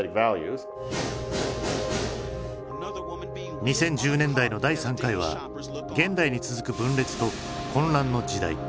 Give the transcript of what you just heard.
２０１０年代の第３回は現代に続く分裂と混乱の時代。